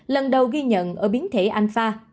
lần đầu ghi nhận ở biến thể alpha